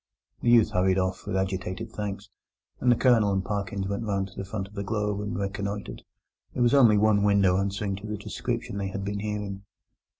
The youth hurried off with agitated thanks, and the Colonel and Parkins went round to the front of the Globe and reconnoitred. There was only one window answering to the description they had been hearing.